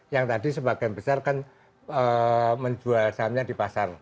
yang tadi sebagian besar kan menjual sahamnya di pasar